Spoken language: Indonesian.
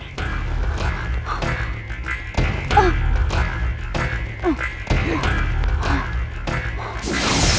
kita malah diorangg ora itu